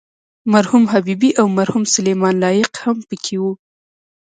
مرحوم حبیبي او مرحوم سلیمان لایق هم په کې وو.